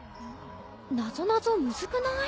なぞなぞむずくない？